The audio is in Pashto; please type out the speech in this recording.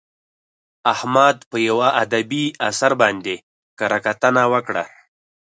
احمد په یوه ادبي اثر باندې کره کتنه وکړه.